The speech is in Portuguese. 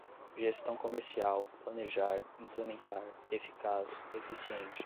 gestão comercial, planejar, implementar, eficaz, eficiente